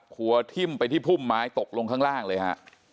หัวทิ้มไปที่พุ่มไม้ตกลงข้างล่างเลยฮะ